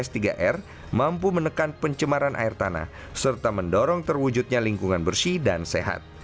s tiga r mampu menekan pencemaran air tanah serta mendorong terwujudnya lingkungan bersih dan sehat